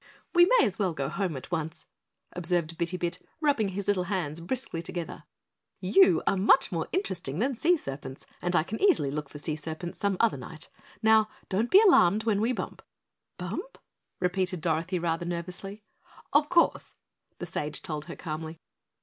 "We may as well go home at once," observed Bitty Bit, rubbing his little hands briskly together. "You are much more interesting than sea serpents and I can easily look for sea serpents some other night. Now don't be alarmed when we bump." "Bump?" repeated Dorothy rather nervously. "Of course," the sage told her calmly.